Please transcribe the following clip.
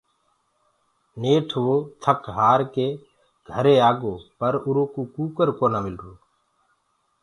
نيٺ وو ٿَڪ هآر ڪي گھري آگو پر اُرو ڪوُ ڪٚڪر نآ ملرو۔